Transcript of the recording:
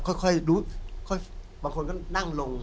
ค่อยดูค่อยบางคนก็นั่งลง